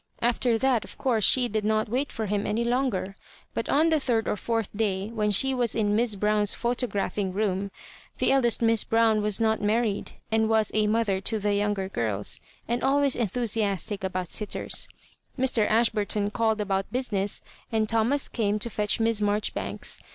After that, of course, she did not wait for him any longer. But on the third or fourth day, when she was in Miss Brown's photographing room (the eldest Miss Brown was not married, and was a mother to the younger girls, and always enthusiastic about sittersV Mr. Ashburton called about busi ness, and Thomas came to fetch Miss Marjori banks.